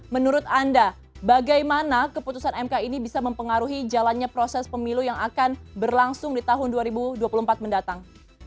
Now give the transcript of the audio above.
menurut anda bagaimana keputusan mk ini bisa mempengaruhi jalannya proses pemilu yang akan berlangsung di tahun dua ribu dua puluh empat mendatang